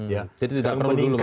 jadi tidak perlu dulu maksudnya